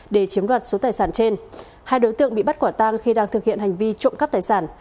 để chiếm đoạt số tài sản trên hai đối tượng bị bắt quả tang khi đang thực hiện hành vi trộm cắp tài sản